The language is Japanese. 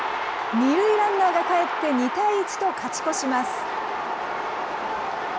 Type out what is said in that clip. ２塁ランナーがかえって、２対１と勝ち越します。